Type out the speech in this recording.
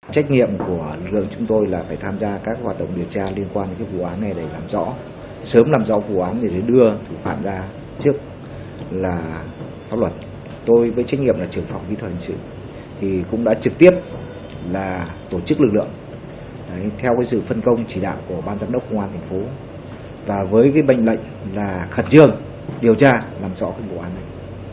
trách nhiệm của lực lượng chúng tôi là phải tham gia các hoạt động điều tra liên quan đến cái vụ án này để làm rõ sớm làm rõ vụ án để đưa thủ phạm ra trước là pháp luật tôi với trách nhiệm là trưởng phòng kỹ thuật hình sự thì cũng đã trực tiếp là tổ chức lực lượng theo cái sự phân công chỉ đạo của ban giám đốc công an thành phố và với cái bệnh lệnh là khẩn trương điều tra làm rõ cái vụ án này